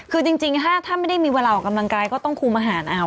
คือจริงถ้าไม่ได้มีเวลาออกกำลังกายก็ต้องคุมอาหารเอา